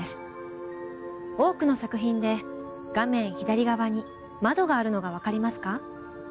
多くの作品で画面左側に窓があるのが分かりますか？